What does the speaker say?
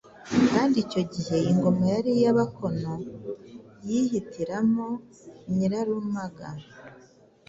kandi icyo gihe ingoma yari iy'Abakono. Yihitiramo Nyirarumaga,